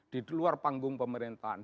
di luar panggung pemerintahan